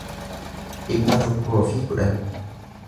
dhibba tokkoo fi kudhan